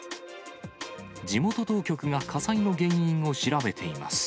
地元当局が火災の原因を調べています。